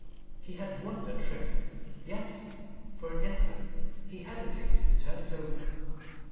He had won the trick. Yet for an instant he hesitated to turn it over.